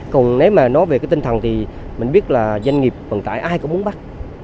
còn nếu mà nói về cái tinh thần thì mình biết là doanh nghiệp vận tải ai cũng muốn bắt